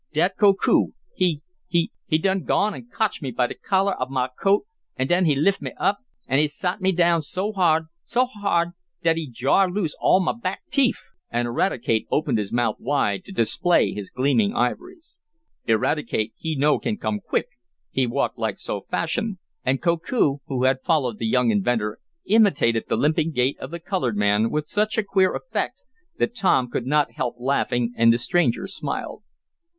"Dat Koku he he he done gone and cotch me by de collar ob mah coat, an' den he lif' me up, an' he sot me down so hard so hard dat he jar loose all mah back teef!" and Eradicate opened his mouth wide to display his gleaming ivories. "Eradicate, he no can come quick. He walk like so fashion!" and Koku, who had followed the young inventor, imitated the limping gait of the colored man with such a queer effect that Tom could not help laughing, and the stranger smiled.